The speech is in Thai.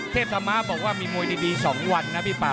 เทพธรรมะบอกว่ามีมวยดี๒วันนะครับ